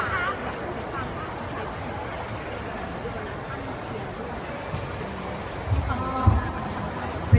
ขอบคุณครับ